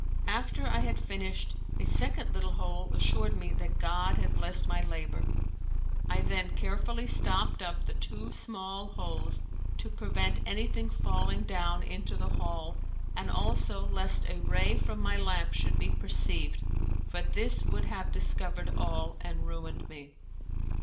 After I had finished, a second little hole assured me that God had blessed my labour. I then carefully stopped up the two small holes to prevent anything falling down into the hall, and also lest a ray from my lamp should be perceived, for this would have discovered all and ruined me.